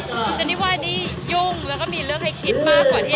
คุณเจนนี่ว่านี่ยุ่งแล้วก็มีเรื่องให้คิดมากกว่าที่